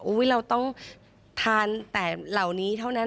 เราต้องทานแต่เหล่านี้เท่านั้น